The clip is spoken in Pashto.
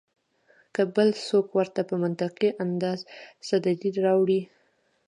کۀ بل څوک ورته پۀ منطقي انداز څۀ دليل راوړي